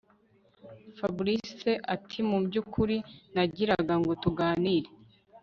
Fabric atimubyukuri nagiraga ngo tuganire